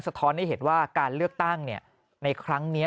ท้อนให้เห็นว่าการเลือกตั้งในครั้งนี้